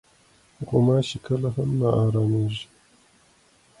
غوماشې کله هم نه ارامېږي.